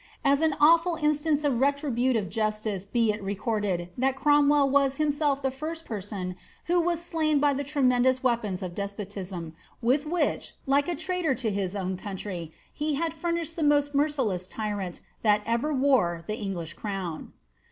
As ad awful instai of retributive justice be it recorded, that Cromwell was himself the i person who was slain by the tremendous weapon of despotism, % which, like a traitor to his country, he had furnished the most meici] tyrant that ever wore the English crown.